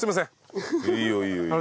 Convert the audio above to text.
いいよいいよいいよ。